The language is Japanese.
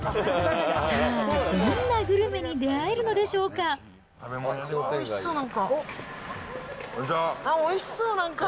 さあ、どんなグルメに出会えるのあっ、おいしそう、なんか。